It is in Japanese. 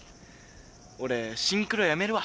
俺シンクロやめるわ。